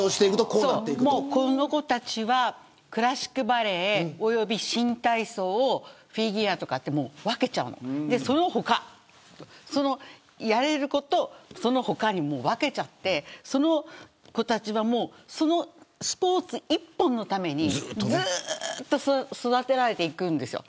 この子たちは、クラシックバレエおよび新体操フィギュアとかって分けちゃうのやれる子とその他に分けちゃってその子たちはそのスポーツ一本のためにずっと育てられていくんですよ。